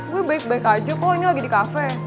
gue baik baik aja kok ini lagi di cafe